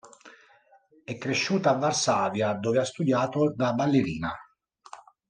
È cresciuta a Varsavia, dove ha studiato da ballerina.